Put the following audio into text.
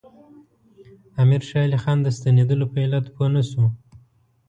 امیر شېر علي خان د ستنېدلو په علت پوه نه شو.